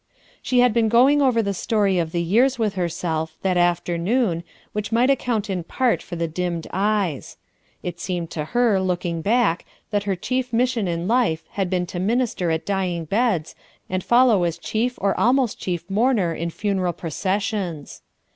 She had been going over the story of the yeara with herself, that afternoon, which might account in part for the dimmed eyes It seemed to her, looking back, that her chief mission in life had been to minister at dying beds and follow as chief or almost chief mourner in funeral processions.